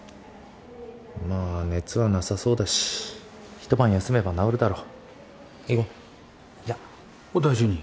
まあ熱はなさそうだし一晩休めば治るだろ。